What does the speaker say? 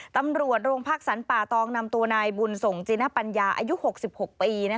ตำรวจโรงพักสรรป่าตองนำตัวนายบุญส่งจินปัญญาอายุ๖๖ปี